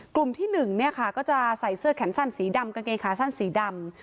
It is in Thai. กลุ่มที่๑ก็จะใส่เสื้อแขนสั้นสีดำกางเกงขาสั้นสีดำ